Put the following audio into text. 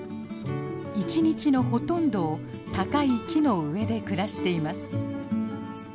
一日のほとんどを高い木の上で暮らしています。